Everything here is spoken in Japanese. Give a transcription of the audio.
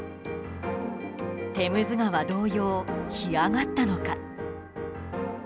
テムズ川同様、干上がったのか。